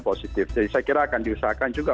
positif jadi saya kira akan diusahakan juga